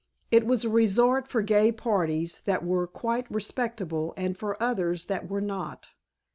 It was a resort for gay parties that were quite respectable and for others that were not.